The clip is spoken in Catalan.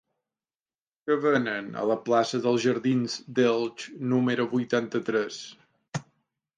Què venen a la plaça dels Jardins d'Elx número vuitanta-tres?